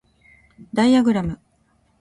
ダイアグラム